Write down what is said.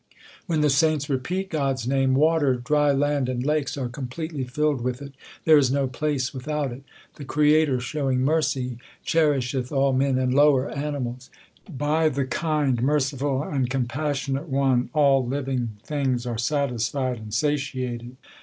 When the saints repeat God s name, Water, dry land, and lakes are completely filled with it ; there is no place without it. The Creator showing mercy Cherisheth all men and lower animals. By the kind, merciful, and compassionate One all living things are satisfied and satiated.